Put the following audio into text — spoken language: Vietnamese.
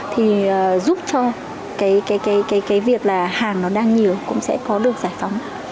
thì giúp cho cái việc là hàng nó đang nhiều cũng sẽ có được giải phóng